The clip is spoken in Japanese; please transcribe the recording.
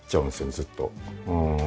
ずっと。